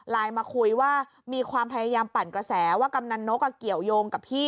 มาคุยว่ามีความพยายามปั่นกระแสว่ากำนันนกเกี่ยวยงกับพี่